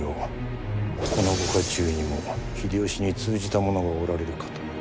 このご家中にも秀吉に通じた者がおられるかと。